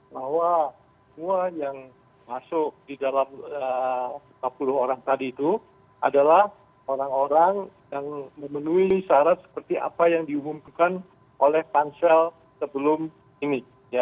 bahwa semua yang masuk di dalam lima puluh orang tadi itu adalah orang orang yang memenuhi syarat seperti apa yang diumumkan oleh pansel sebelum ini